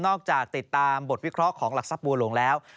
นอกจากติดตามบทพิเคราะห์ของหลักศพบัวโหลงแล้ว